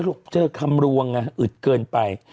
สรุปเจอคำรวงอ่ะอืดเกินไป